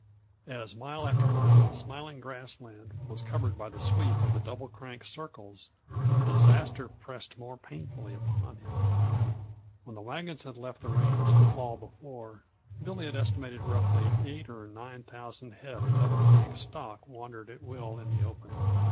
As mile after mile of smiling grass land was covered by the sweep of the Double Crank circles, the disaster pressed more painfully upon him. When the wagons had left the range the fall before, Billy had estimated roughly that eight or nine thousand head of Double Crank stock wandered at will in the open.